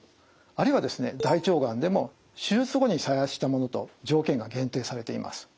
あるいはですね大腸がんでも手術後に再発したものと条件が限定されています。